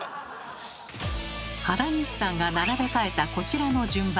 原西さんが並べ替えたこちらの順番。